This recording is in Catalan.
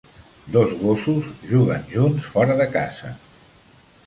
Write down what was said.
Dos gossos juguen junts fora de casa.